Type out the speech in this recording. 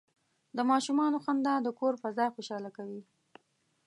د ماشومانو خندا د کور فضا خوشحاله کوي.